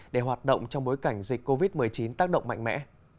để hoạt động trong bối cảnh dịch covid một mươi chín tác động mạnh mẽ